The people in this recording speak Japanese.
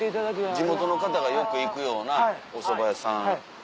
地元の方がよく行くようなおそば屋さん。